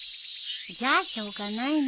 じゃあしょうがないね。